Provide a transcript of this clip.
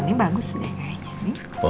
ini bagus deh kayaknya